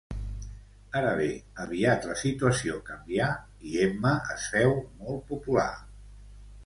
Ara bé, aviat la situació canvià i Emma es féu molt popular.